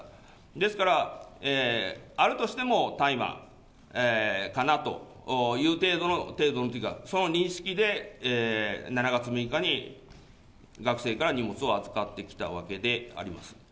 ですから、あるとしても大麻かなという程度の、程度のというか、その認識で、７月６日に学生から荷物を預かってきたわけであります。